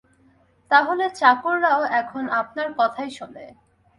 তাহলে চাকররাও এখন আপনার কথাই শোনে!